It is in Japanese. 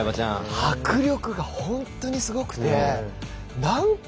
迫力が本当にすごくて何回